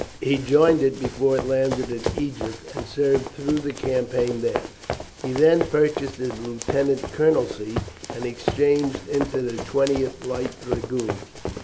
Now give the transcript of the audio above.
He joined it before it landed in Egypt, and served through the campaign there. He then purchased his lieutenant colonelcy, and exchanged into the 20th Light Dragoons.